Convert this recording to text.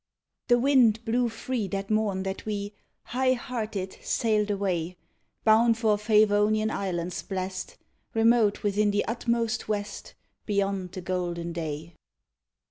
The wind blew free that morn that we, High hearted, sailed away; Bound for Favonian islands blest, Remote within the utmost West, Beyond the golden day.